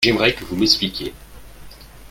J’aimerais que vous m’expliquiez.